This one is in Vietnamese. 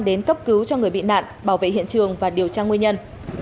đến cấp cứu cho người bị nạn bảo vệ hiện trường và điều tra nguyên nhân